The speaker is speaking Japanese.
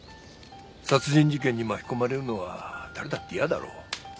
殺人事件に巻き込まれるのは誰だって嫌だろう。